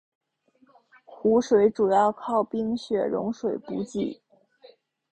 湖水主要靠冰雪融水补给。